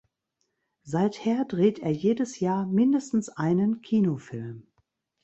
Seither dreht er jedes Jahr mindestens einen Kinofilm.